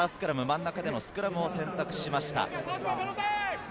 真ん中でのスクラムを選択しました。